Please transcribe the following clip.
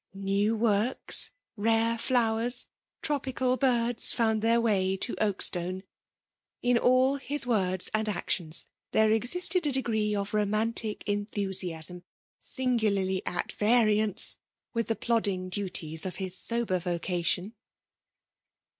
New works, raro flowers, tropcial birds^ found their way to Oakstono. 286 FBMAUu DOHINAnON. In all lisB words and actions, there existed » d^ree of romantic enthitsiasni, singularly nt variance with the plodding duties of his sober ▼oeation.